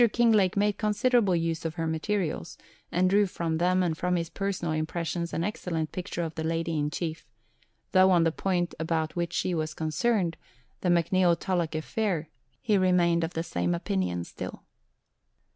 Kinglake made considerable use of her materials, and drew from them and from his personal impressions an excellent picture of the Lady in Chief; though on the point about which she was concerned, the McNeill Tulloch affaire, he remained of the same opinion still.